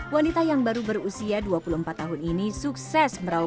wanita yang baru berusia dua puluh empat tahun ini sukses